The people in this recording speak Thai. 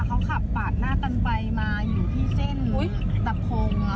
เขาขับปาดหน้ากรรมไปมาอยู่ที่เส้นน้ำโพงอ่ะค่ะ